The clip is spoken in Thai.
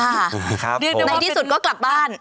ในที่สุดก็กลับบ้าน